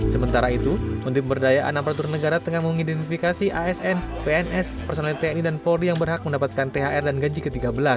sementara itu menteri pemberdayaan aparatur negara tengah mengidentifikasi asn pns personel tni dan polri yang berhak mendapatkan thr dan gaji ke tiga belas